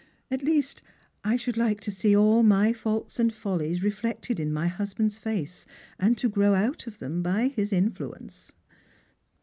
" At least I should like to see all my faults and follies reflected in my husband's face, and to grow out of them by his influence."